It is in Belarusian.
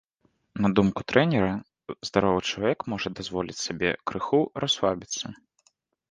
На думку трэнера, здаровы чалавек можа дазволіць сабе крыху расслабіцца.